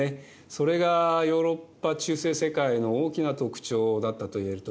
それがヨーロッパ中世世界の大きな特徴だったといえると思います。